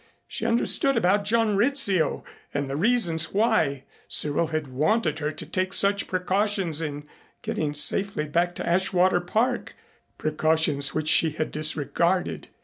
She understood about John Rizzio and the reasons why Cyril had wanted her to take such precautions in getting safely back to Ashwater Park, precautions which she had disregarded.